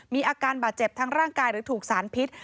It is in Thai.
มีอาการบาดเจ็บทางร่างกายหรือถูกสารพิษ